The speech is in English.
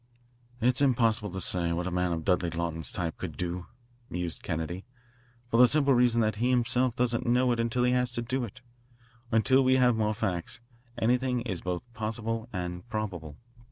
"It's impossible to say what a man of Dudley Lawton's type could do," mused Kennedy, "for the simple reason that he himself doesn't know until he has to do it. Until we have more facts, anything is both possible and probable."